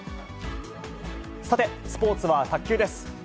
さて、スポーツは卓球です。